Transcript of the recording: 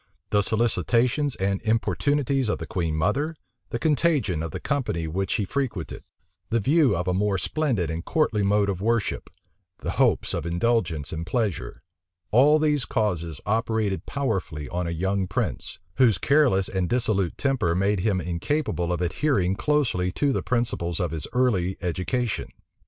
The solicitations and importunities of the queen mother, the contagion of the company which he frequented, the view of a more splendid and courtly mode of worship, the hopes of indulgence in pleasure, all these causes operated powerfully on a young prince, whose careless and dissolute temper made him incapable of adhering closely to the principles of his early education.